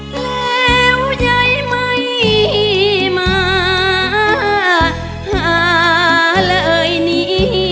แล้วยัยไม่มาหาเลยนี้